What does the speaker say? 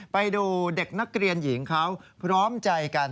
ไปดูเด็กนักเรียนหญิงเขาพร้อมใจกัน